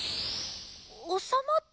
おさまった？